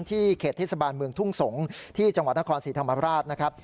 เขตเทศบาลเมืองทุ่งสงศ์ที่จังหวัดนครศรีธรรมราชนะครับ